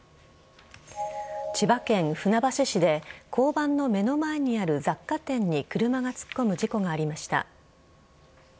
千葉県船橋市で交番の目の前にある雑貨店に車が突っ込む事故がありました。